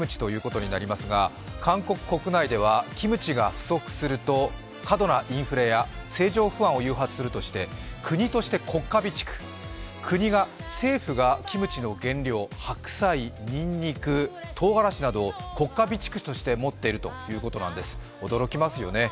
国内ではキムチが不足すると過度なインフレや政情不安を誘発するとして国として国家備蓄、国が政府がキムチの原料、白菜、にんにく、とうがらしなどを国家備蓄として持っているということなんですよ、驚きますよね。